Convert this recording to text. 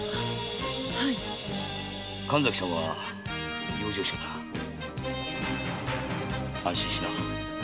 神崎さんは養生所だ安心しな。